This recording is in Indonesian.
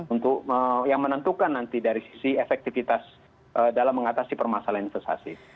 untuk yang menentukan nanti dari sisi efektivitas dalam mengatasi permasalahan investasi